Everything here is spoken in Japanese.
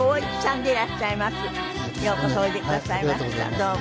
どうも。